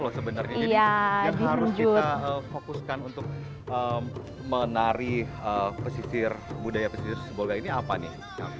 loh sebenarnya jadi yang harus kita fokuskan untuk menari pesisir budaya pesisir sebolga ini apa nih